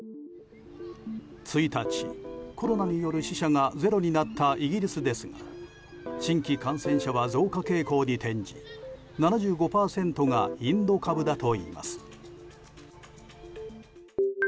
１日、コロナによる死者がゼロになったイギリスですが新規感染者は増加傾向に転じ７５％がインド株だといいます。